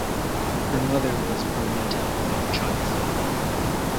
Her mother was Bruneta of Chodcza.